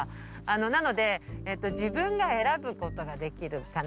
なので自分が選ぶことができるかなって。